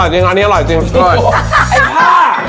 พี่โก้ไอ้ผ้า